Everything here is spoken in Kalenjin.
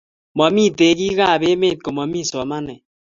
momii tekee kab emee komomii somanet